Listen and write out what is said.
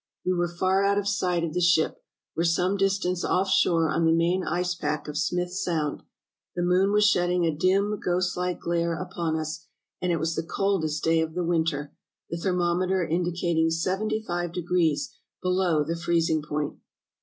We were far out of sight of the ship, were some distance off shore on the main ice pack of Smith Sound, the moon was shedding a dim, ghost like glare upon us, and it was the coldest day of the winter, the thermometer indicating seventy five degrees below the freezing point."